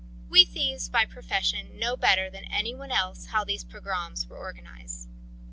We thieves by profession know better than any one else how these pogroms were organised.